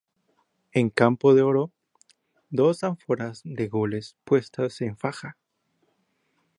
En campo de oro, dos ánforas de gules puestas en faja.